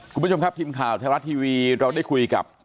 คุณผู้ชมครับทีมข่าวไทยรัฐทีวีเราได้คุยกับ